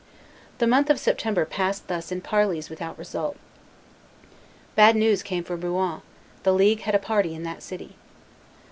The month of September passed thus in parleys without result. Bad news came from Rouen; the League had a party in that city.